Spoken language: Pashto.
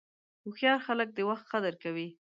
هوښیار خلک د وخت قدر کوي.